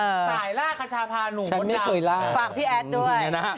สายล่าขชาพานหนูดาฝากพี่แอดด้วย